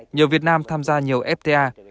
nhiều việt nam tham gia nhiều fta